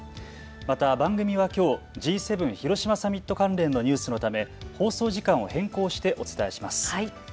また番組はきょうＧ７広島サミット関連のニュースのため放送時間を変更してお伝えします。